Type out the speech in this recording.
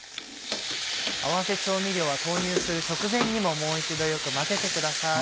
合わせ調味料は投入する直前にももう一度よく混ぜてください。